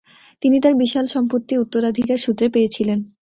তিনি তার বিশাল সম্পত্তি উত্তরাধিকার সূত্রে পেয়েছিলেন।